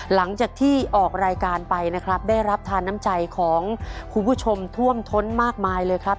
หลังจากที่ออกรายการไปนะครับได้รับทานน้ำใจของคุณผู้ชมท่วมท้นมากมายเลยครับ